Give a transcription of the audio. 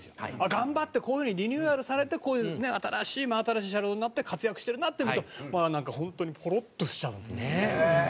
頑張ってこういう風にリニューアルされてこういう新しい真新しい車両になって活躍してるなって思うとなんか本当にポロッとしちゃうんです。